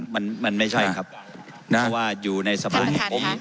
มันมันไม่ใช่ครับนะฮะเพราะว่าอยู่ในสะพานนี้ท่านประธานค่ะ